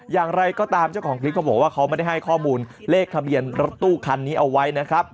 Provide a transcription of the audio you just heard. อย่างไรก็ตามเจ้าของคลิปเขาบอกว่าเขาไม่ได้ให้ข้อมูลเลขทะเบียนรถตู้คันนี้เอาไว้นะครับ